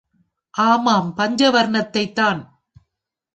ஆமாம் பஞ்சவர்ணத்தைத் தான்!...